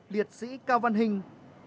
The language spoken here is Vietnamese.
liệt sĩ cao văn hình